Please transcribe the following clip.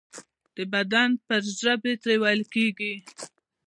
د بدن په ژبې ترې ویل کیږي.